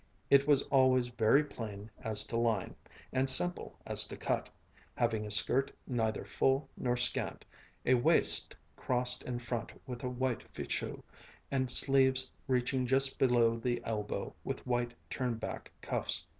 It was always very plain as to line, and simple as to cut, having a skirt neither full nor scant, a waist crossed in front with a white fichu, and sleeves reaching just below the elbow with white turn back cuffs.